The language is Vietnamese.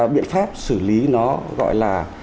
biện pháp xử lý nó gọi là